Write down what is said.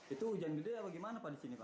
itu hujan gede atau gimana pak di sini pak